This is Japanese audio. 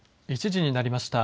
１時になりました。